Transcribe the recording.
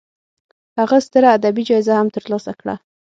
هغه ستره ادبي جایزه هم تر لاسه کړه.